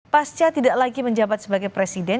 pasca tidak lagi menjabat sebagai presiden